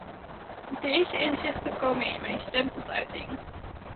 Deze inzichten komen in mijn stem tot uiting.